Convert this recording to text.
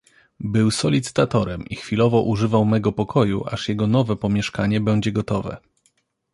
"Był solicytatorem i chwilowo używał mego pokoju, aż jego nowe pomieszkanie będzie gotowe."